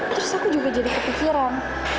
terus aku juga jadi kepikiran